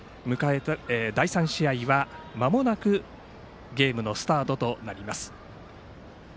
第３試合はまもなくゲームのスタートとなります。